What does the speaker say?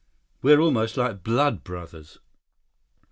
We're almost like blood brothers."